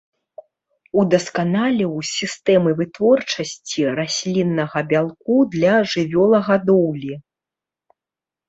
Удасканаліў сістэмы вытворчасці расліннага бялку для жывёлагадоўлі.